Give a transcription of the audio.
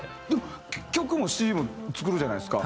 曲も詞も作るじゃないですか。